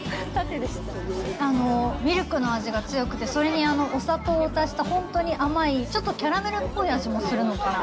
ミルクの味が強くて、それにお砂糖を足した、ほんとに甘い、ちょっとキャラメルっぽい味もするのかな？